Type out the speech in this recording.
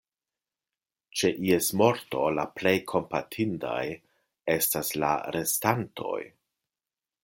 Ĉe ies morto, la plej kompatindaj estas la restantoj.